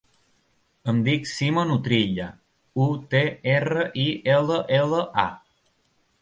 Em dic Simon Utrilla: u, te, erra, i, ela, ela, a.